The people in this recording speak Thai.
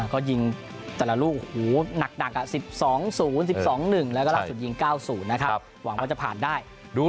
ก็ยิงแต่ละลูกหนัก๑๒๐๑๒๑แล้วก็ล่าสุดยิง๙๐นะครับหวังว่าจะผ่านได้